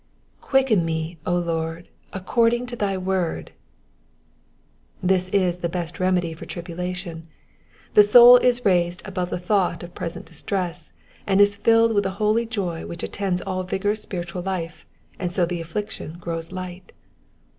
^^ Quicken me, Lord, according unto thy word.'''* This is the best remedy for tribulation ; the soul is raised above the thought of present distress, and is filled with that holy joy which attends all vigorous spiritual life, and so the affliction grows light.